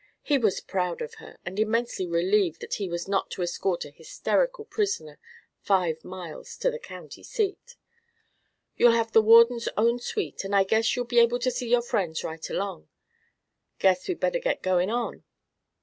He was proud of her, and immensely relieved that he was not to escort an hysterical prisoner five miles to the County Seat. "You'll have the Warden's own suite, and I guess you'll be able to see your friends right along. Guess we'd better be gettin' on."